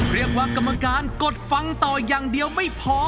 เรียกว่ากรรมการกดฟังต่ออย่างเดียวไม่พอ